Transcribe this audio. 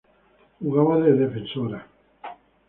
Jugaba de defensora.